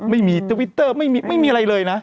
ไม่มีทวิตเตอร์ไม่มีอะไรเลยนะ